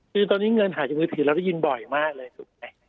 คือตอนนี้เงินหายจากมือถือเราได้ยินบ่อยมากเลยถูกไหม